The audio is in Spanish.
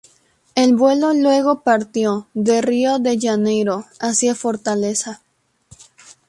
El vuelo luego partió de Río de Janeiro hacia Fortaleza.